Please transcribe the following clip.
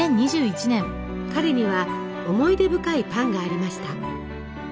彼には思い出深いパンがありました。